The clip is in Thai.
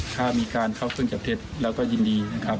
ถ้ามีการเข้าเครื่องจับเท็จเราก็ยินดีนะครับ